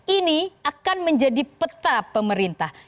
ini akan menjadi peta pemerintah